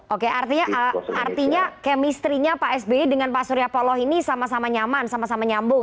oke artinya kemistrinya pak sby dengan pak surya paloh ini sama sama nyaman sama sama nyambung